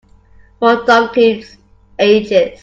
For donkeys' ages.